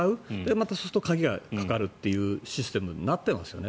またそうすると鍵がかかるというシステムになっていますよね。